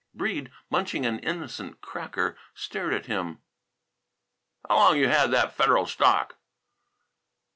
Breede, munching an innocent cracker, stared at him. "How long you had that Federal stock?"